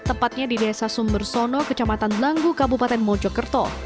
tepatnya di desa sumber sono kecamatan langgu kabupaten mojokerto